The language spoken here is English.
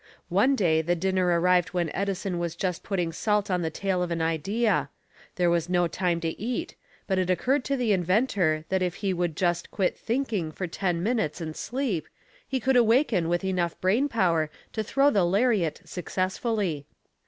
One day the dinner arrived when Edison was just putting salt on the tail of an idea. There was no time to eat, but it occurred to the inventor that if he would just quit thinking for ten minutes and sleep, he could awaken with enough brain power to throw the lariat successfully.